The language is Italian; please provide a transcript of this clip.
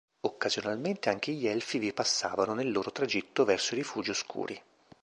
Occasionalmente anche gli Elfi vi passavano nel loro tragitto verso i Rifugi Oscuri.